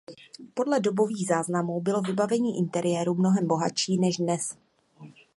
Podle dobových záznamů bylo vybavení interiéru mnohem bohatší než dnes.